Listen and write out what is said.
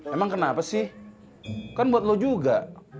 emang kenapa sih kan buat lo juga